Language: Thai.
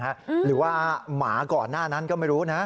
หรือว่าหมาก่อนหน้านั้นก็ไม่รู้นะ